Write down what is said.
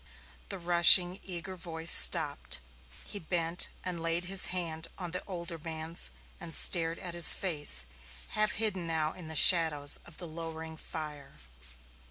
The rushing, eager voice stopped. He bent and laid his hand on the older man's and stared at his face, half hidden now in the shadows of the lowering fire.